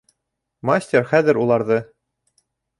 Мастер хәҙер уларҙы: